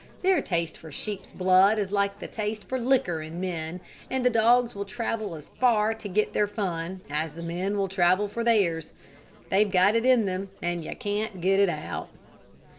Their taste for sheep's blood is like the taste for liquor in men, and the dogs will travel as far to get their fun, as the men will travel for theirs. They've got it in them, and you can't get it out.